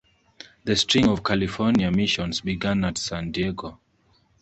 The string of California missions began at San Diego.